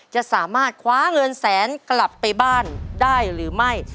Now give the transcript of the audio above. จะสามารถคว้าเงินแสนกลับไปบ้านได้หรือไม่